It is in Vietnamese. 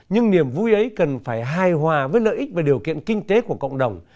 nhưng niềm vui ấy cần phải hài hòa với lợi ích và điều kiện kinh tế của cộng đồng